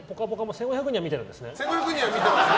１５００人は見ていますね。